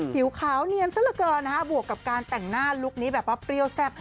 ผิวขาวเนียนซะละเกินนะคะบวกกับการแต่งหน้าลุคนี้แบบว่าเปรี้ยวแซ่บ